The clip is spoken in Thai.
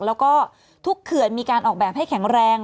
แล้วก็ทุกเขื่อนมีการออกแบบให้แข็งแรง